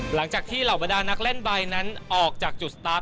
หลังจากที่เหล่าบรรดานักเล่นใบนั้นออกจากจุดสตาร์ฟ